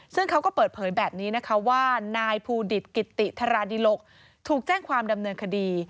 ซึ่งเขาก็เปิดเผยแบบนี้นะคะว่านายภูดิตกิติธาราดิหลกถูกแจ้งความดำเนินคดี